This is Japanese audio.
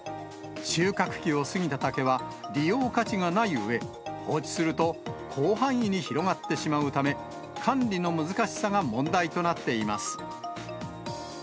収穫期を過ぎた竹は利用価値がないうえ、放置すると広範囲に広がってしまうため、管理の難しさが問題となっています。